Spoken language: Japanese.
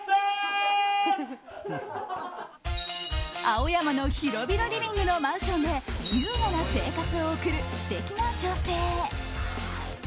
青山の広々リビングのマンションで優雅な生活を送る素敵な女性。